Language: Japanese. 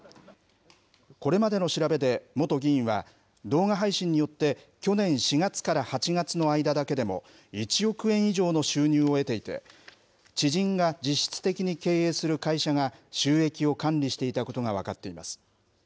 これまでの調べで、元議員は、動画配信によって去年４月から８月の間だけでも、１億円以上の収入を得ていて、知人が実質的に経営する会社が収益を管理していたことが分かっています。